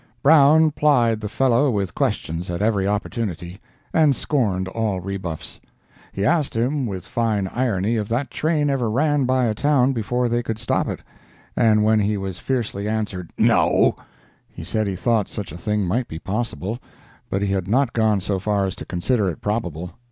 Brown plied the fellow with questions at every opportunity, and scorned all rebuffs. He asked him with fine irony, if that train ever ran by a town before they could stop it; and when he was fiercely answered "No," he said he thought such a thing might be possible, but he had not gone so far as to consider it probable.